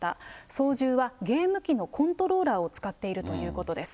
操縦はゲーム機のコントローラーを使っているということです。